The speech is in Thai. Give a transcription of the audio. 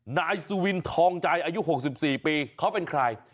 นายสุวินทองใจอายุ๖๔ปีเขาเป็นใคร